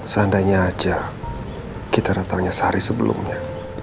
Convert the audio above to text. seandainya aja kita datangnya sehari sebelumnya